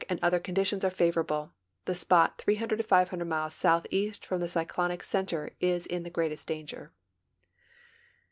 and other conditions are favorable, the s[)ot 300 to 500 miles southeast from the cyclonic center is in the greatest danger.